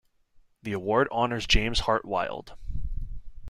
The award honors James Hart Wyld.